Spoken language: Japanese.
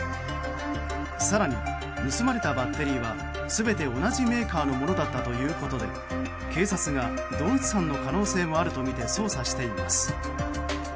更に、盗まれたバッテリーは全て同じメーカーのものだったということで警察が同一犯の可能性もあるとみて捜査しています。